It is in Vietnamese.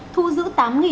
thu giữ tám viên ma túy